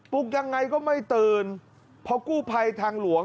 ลุกยังไงก็ไม่ตื่นเพราะกู้ภัยทางหลวง